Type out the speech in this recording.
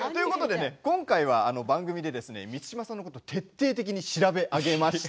今回は番組で満島さんのことを徹底的に調べ上げました。